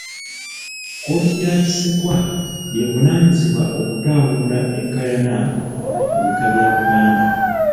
Kkooti ya Kisekwa y'evunaanyizibwa okutaawulula enkaayana mu bika bya Buganda.